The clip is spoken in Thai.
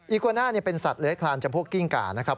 อีกวาน่าเป็นสัตว์เหลือแคลร์มจำพวกกิ้งก่านะครับ